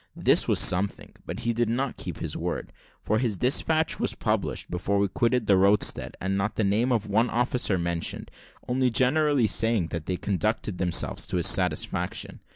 This was something, but he did not keep his word; for his despatch was published before we quitted the roadstead, and not the name of one officer mentioned, only generally saying, that they conducted themselves to his satisfaction.